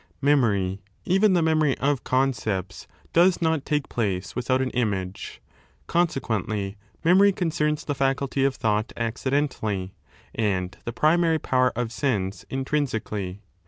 Memory, even the memory of concepts, does not take place without on image. Consequently, memory concerns the faculty of thought accidentally and the primary power of sense intrinsically.